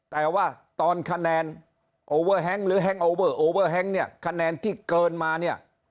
แต่ว่าตอนคะแนนหรือเนี่ยคะแนนที่เกินมาเนี่ย